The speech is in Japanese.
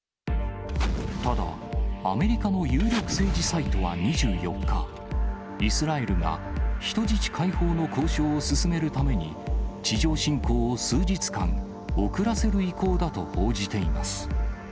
ただ、アメリカの有力政治サイトは２４日、イスラエルが人質解放の交渉を進めるために、地上侵攻を数日間、遅らせる意向だと報じています。